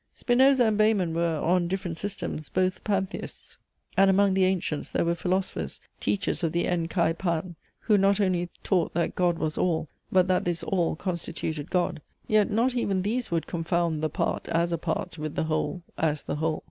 Spinoza and Behmen were, on different systems, both Pantheists; and among the ancients there were philosophers, teachers of the EN KAI PAN, who not only taught that God was All, but that this All constituted God. Yet not even these would confound the part, as a part, with the whole, as the whole.